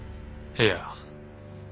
いや。